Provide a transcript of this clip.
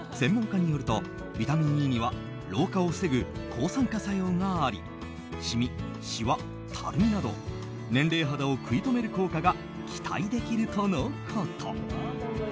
専門家によると、ビタミンＥには老化を防ぐ抗酸化作用がありシミ、しわ、たるみなど年齢肌を食い止める効果が期待できるとのこと。